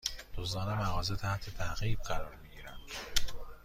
دزدان مغازه تحت تعقیب قرار می گیرند